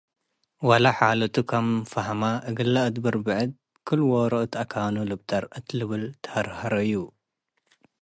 ወለሓለቱ ክምሰል ፈሀመ፡ እግለ አድብር ለብዕድ፤ “ክል-ዎሮ እት አካኑ ልብጠር” እት ልብል ተሀርሀረዩ።